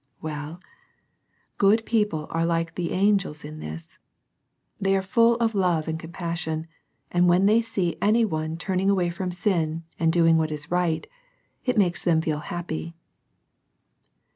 Well, good people are like the angels in this, — they are full of love and compassion, and when they see any one turn ing away from sin, and doing what is right, it makes them feel happy.